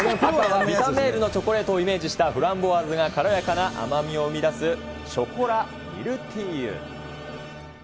ヴィタメールのチョコレートをイメージした、フランボワーズが軽やかな甘みを生み出すショコラミルティーユ。